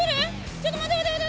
ちょっと待て待て待て。